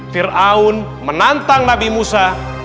firaun menantang nabi musa